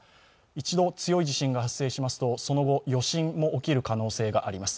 一度強い地震が発生しますと、その後、余震も起きる可能性もあります。